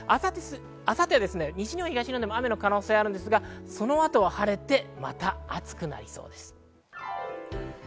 明後日は西日本、東日本でも雨の可能性もありますが、その後は晴れてまた暑くなりそうです。